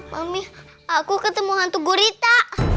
mami aku ketemu hantu gurita